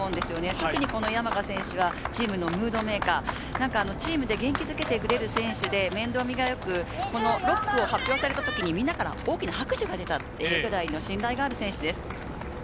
特に山賀選手はチームのムードメーカー、チームで元気付けてくれる選手で、面倒見がよく、６区を発表されたとき、みんなから大きな拍手が出たっていうくらい、信頼のある選手です。